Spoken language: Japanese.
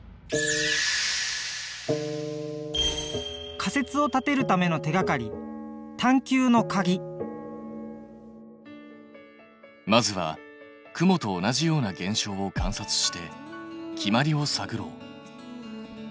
仮説を立てるための手がかりまずは雲と同じような現象を観察して決まりを探ろう。